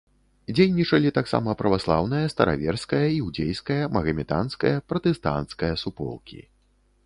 Дзейнічалі таксама праваслаўная, стараверская, іудзейская, магаметанская, пратэстанцкая суполкі.